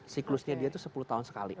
siklusnya dia itu sepuluh tahun sekali